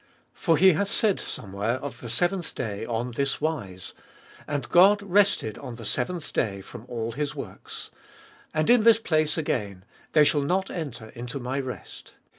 For he hath said somewhere of the seventh day on this wise, And God rested on the seventh day from all his works ; 5. And in this place again, They shall not enter into my rest.